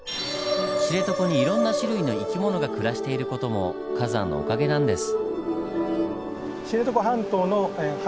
知床にいろんな種類の生き物が暮らしている事も火山のおかげなんです。